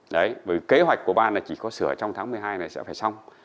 đấy vì kế hoạch của ban là chỉ có sửa trong tháng một mươi hai này sẽ phải xong